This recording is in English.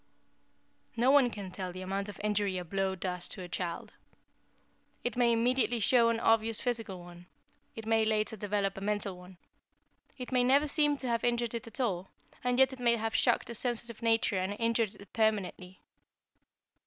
"No one can tell the amount of injury a blow does to a child. It may immediately show an obvious physical one; it may later develop a mental one. It may never seem to have injured it at all, and yet it may have shocked a sensitive nature and injured it permanently.